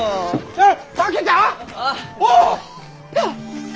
えっ？